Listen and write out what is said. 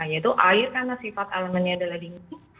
yaitu air karena sifat elemennya adalah dingin